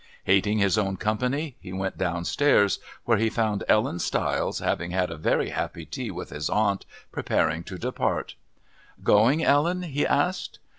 Hating his own company, he went downstairs, where he found Ellen Stiles, having had a very happy tea with his aunt, preparing to depart. "Going, Ellen?" he asked.